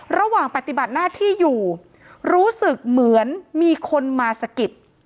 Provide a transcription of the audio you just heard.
ระหว่างปฏิบัติหน้าที่อยู่รู้สึกเหมือนมีคนมาสะกิด